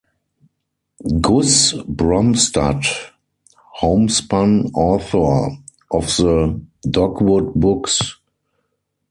Gus Bromstad - Homespun author of the Dogwood books.